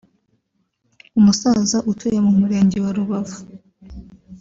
umusaza utuye mu Murenge wa Rubavu